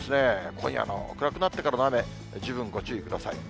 今夜の暗くなってからの雨、十分ご注意ください。